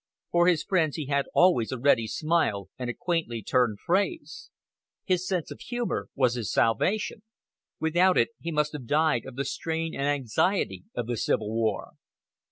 For his friends he had always a ready smile and a quaintly turned phrase. His sense of humor was his salvation. Without it he must have died of the strain and anxiety of the Civil War.